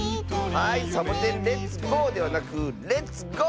はい「サボテンレッツゴー」ではなく「レッツゴー！